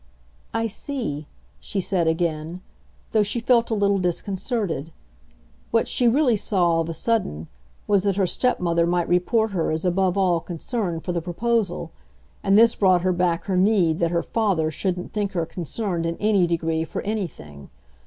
"I see," she said again; though she felt a little disconcerted. What she really saw, of a sudden, was that her stepmother might report her as above all concerned for the proposal, and this brought her back her need that her father shouldn't think her concerned in any degree for anything.